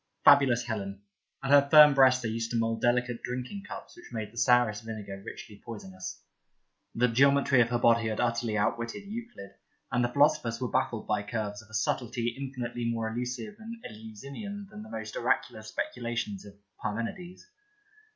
Fabulous Helen ! At her firm breasts they used to mould delicate drinking cups which made the sourest vinegar richly poisonous. The geometry of her body had utterly outwitted Euclid, and the Philosophers were baffled by curves of a subtlety infinitely more elusive and Eleusinian than the most oracular speculations of Parmenides.